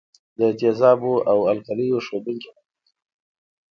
د تیزابو او القلیو ښودونکي مهم دي.